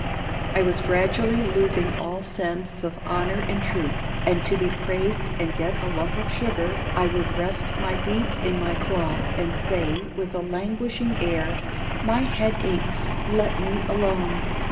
I was gradually losing all sense of honor and truth, and to be praised and get a lump of sugar I would rest my beak in my claw and say, with a languishing air, "My head aches; let me alone."